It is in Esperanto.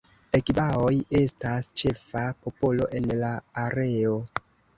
Egbaoj estas ĉefa popolo en la areo.